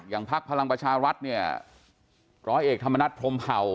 พักพลังประชารัฐเนี่ยร้อยเอกธรรมนัฐพรมเผ่า